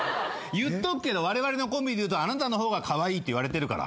言っとくけどわれわれのコンビでいうとあなたの方がカワイイって言われてるから。